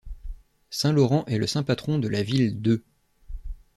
Saint Laurent est le saint patron de la ville d'Eu.